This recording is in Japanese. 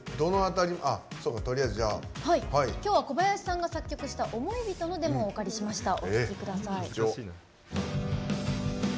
きょうは小林さんが作曲した「想い人」のデモをお借りしました。